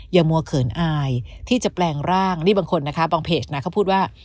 อย่ามัวเขินอายที่จะแปลงร่างนี่บางคนนะคะบางเพจนะเขาพูดว่า